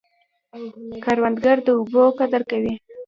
کروندګر د اوبو قدر کوي